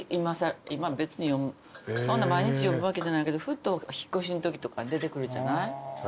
別にそんな毎日読むわけじゃないけどふと引っ越しのときとかに出てくるじゃない？